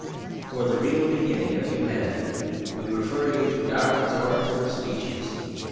For the real beginning of humanity we refer you to Darwin's Origin of Species.'